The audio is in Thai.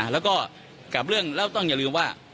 แล้วก็กับเรื่องแล้วต้องอย่าลืมว่า